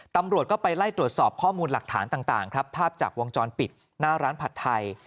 ตำรวจก็ไปไล่ตรวจสอบข้อมูลหลักฐานต่างครับภาพจากวงจรปิดหน้าร้านผัดไทย